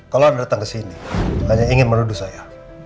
kalau anda datang kesini hanya ingin meruduh saya